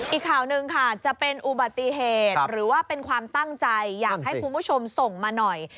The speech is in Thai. อีกข่าวหนึ่งค่ะจะเป็นอุบัติเหตุหรือว่าเป็นความตั้งใจอยากให้คุณผู้ชมส่งมาหน่อย